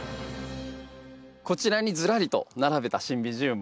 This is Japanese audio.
こちらにずらりと並べたシンビジウム。